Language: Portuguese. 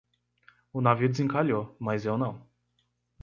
O navio desencalhou, mas eu não